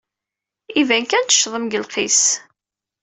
Iban kan teccḍem deg lqis.